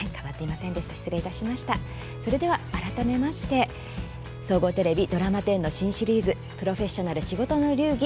それでは改めまして総合テレビドラマ１０の新シリーズ「プロフェッショナル仕事の流儀」